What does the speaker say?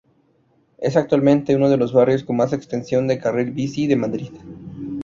Es actualmente uno de los barrios con más extensión de carril bici de Madrid.